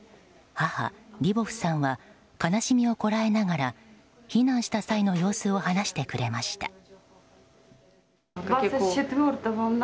母リボフさんは悲しみをこらえながら避難した際の様子を話してくれました。